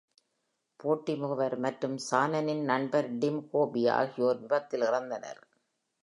போட்டி முகவர் மற்றும் சானனின் நண்பர் டிம் கோர்பி ஆகியோர் விபத்தில் இறந்தனர்.